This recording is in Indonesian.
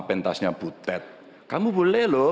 pentasnya butet kamu boleh loh